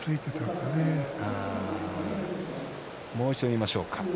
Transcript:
もう一度、見ましょうか。